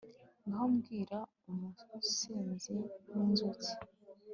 ngaho mbwira, umusinzi nkinzuki